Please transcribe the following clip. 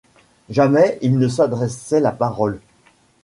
Jamais ils ne s’adressaient la parole.